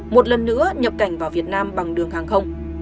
một lần nữa nhập cảnh vào việt nam bằng đường hàng không